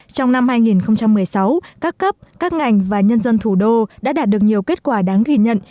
trong năm hai nghìn một mươi sáu các cấp các ngành và nhân dân thủ đô đã đạt được nhiều kết quả đáng ghi nhận